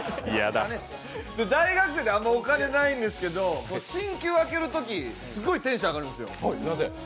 大学生ってあんまりお金ないんですけどすごいテンション上がるんですよ。